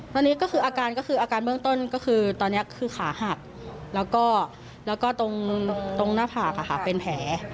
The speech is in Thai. ตอนนี้ก็คืออาการก็คืออาการเบื้องต้นก็คือตอนนี้คือขาหักแล้วก็ตรงหน้าผากเป็นแผล